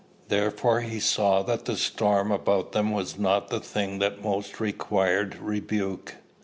Therefore he saw that the storm about them was not the thing that most required rebuke."